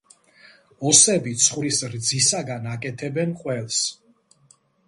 ოსები ცხვრის რძისაგან აკეთებენ ყველს.